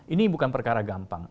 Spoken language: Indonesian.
ini bukan perkara gampang